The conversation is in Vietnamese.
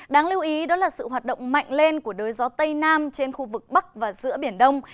đáng lưu ý đó là sự hoạt động mạnh lên của đới gió tây nam trên khu vực bắc và giữa biển đông